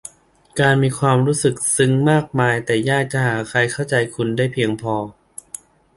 การมีความรู้สึกลึกซึ้งมากมายแต่ยากจะหาใครเข้าใจคุณได้เพียงพอ